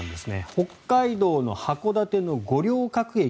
北海道の函館の五稜郭駅